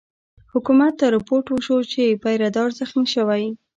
حکومت ته رپوټ وشو چې پیره دار زخمي شوی.